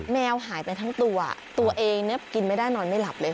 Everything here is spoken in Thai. แมวหายไปทั้งตัวตัวเองเนี่ยกินไม่ได้นอนไม่หลับเลย